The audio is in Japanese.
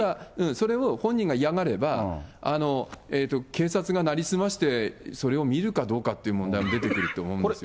それを本人が嫌がれば、警察が成り済ましてそれを見るかどうかという問題も出てくると思うんですよね。